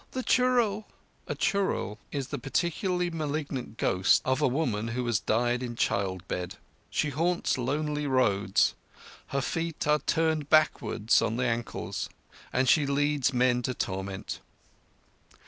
_ The churel!" A churel is the peculiarly malignant ghost of a woman who has died in child bed. She haunts lonely roads, her feet are turned backwards on the ankles, and she leads men to torment.